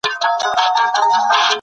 ډیپلوماسي باید د سولي لپاره کار وکړي.